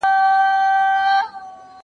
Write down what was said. زه اوږده وخت مينه څرګندوم وم!!